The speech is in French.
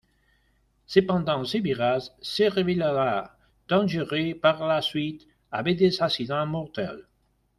Cependant ce virage se révèlera dangereux par la suite avec des accidents mortels.